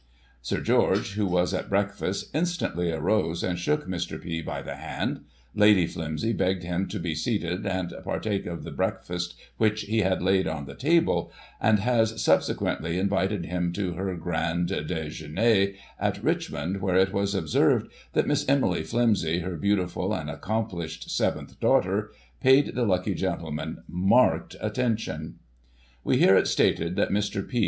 Sir George, who was at breakfast, instantly arose, and shook Mr. P. by the hand ; Lady Flimsy begged him to be seated, and partake of the breakfast which he had laid on the table ; and has, subsequently, invited him to her grand de jeuner at Richmond, where it was observed that MiSS EMILY Flimsy, her beautiful and accomplished seventh daughter, paid the lucky gentleman marked attention. We hear it stated that Mr. P.